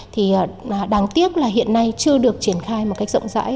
thì đáng tiếc là hiện nay chưa được triển khai một cách rộng rãi